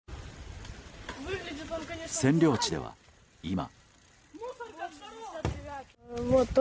占領地では今。